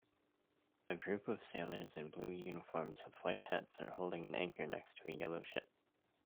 A group of sailors in blue uniforms with white hats are holding an anchor next to a yellow ship